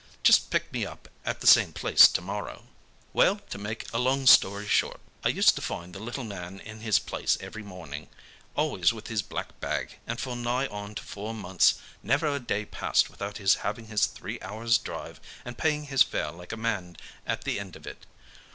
Just pick me up at the same place tomorrow.' "Well, to make a long story short, I used to find the little man in his place every morning, always with his black bag, and for nigh on to four months never a day passed without his having his three hours' drive and paying his fare like a man at the end of it.